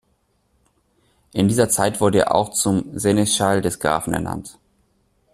In dieser Zeit wurde er auch zum Seneschall des Grafen ernannt.